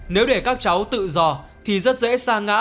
nếu để các cháu tự do thì rất dễ xa ngã